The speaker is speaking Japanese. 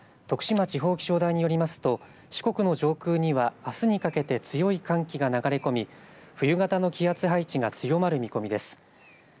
徳島地方気象台によりますと四国の上空には、あすにかけて強い寒気が流れ込み冬型の気圧配置が強まる見込みです。